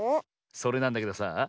それなんだけどさあ